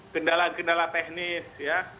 kendala kendala teknis ya